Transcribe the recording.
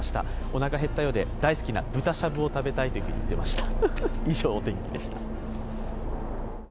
おなか減ったようで、大好きな豚しゃぶを食べたいと言ってました。